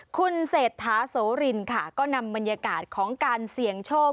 คุณเศรษฐาโสรินค่ะก็นำบรรยากาศของการเสี่ยงโชค